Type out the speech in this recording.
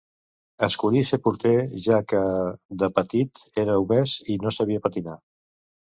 Escollí ser porter, ja que de petit era obès i no sabia patinar.